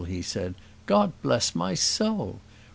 he said; "God bless my soul!